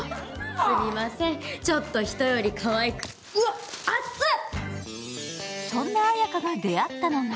すみません、ちょっと人よりかわいくてあっつい！